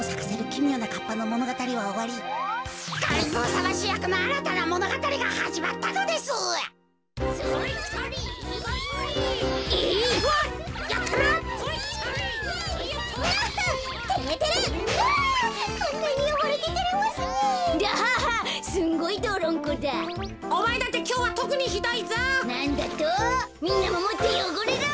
みんなももっとよごれろ！